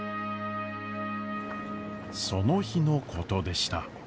その日のことでした。